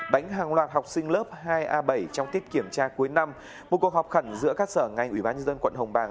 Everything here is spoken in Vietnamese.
đánh hàng loạt học sinh lớp hai a bảy trong tiết kiểm tra cuối năm một cuộc họp khẩn giữa các sở ngành ủy ban nhân dân quận hồng bàng